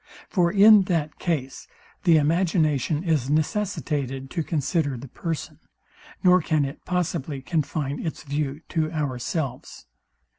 For in that case the imagination is necessitated to consider the person, nor can it possibly confine its view to ourselves.